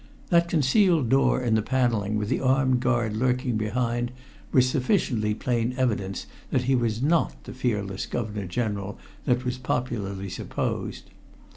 That concealed door in the paneling with the armed guard lurking behind was sufficiently plain evidence that he was not the fearless Governor General that was popularly supposed.